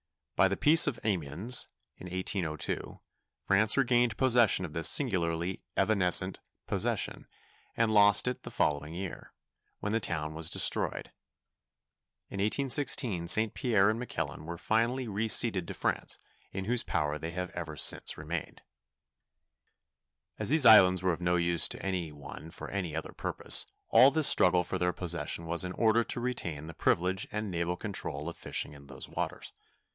By the peace of Amiens, in 1802, France regained possession of this singularly evanescent possession, and lost it the following year, when the town was destroyed. In 1816 St. Pierre and Miquelon were finally re ceded to France, in whose power they have ever since remained. [Illustration: CURING FISH AT ST. PIERRE.] As these islands were of no use to any one for any other purpose, all this struggle for their possession was in order to retain the privilege and naval control of fishing in those waters.